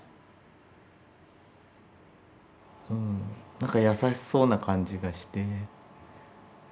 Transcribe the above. なんか優しそうな感じがして。